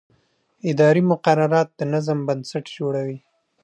اداري مقررات د نظم بنسټ جوړوي.